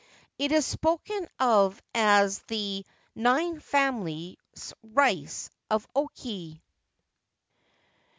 It is spoken of as 'the nine families rice of Oki.'